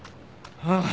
ああ。